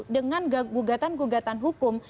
dengan gugatan gugatan hukum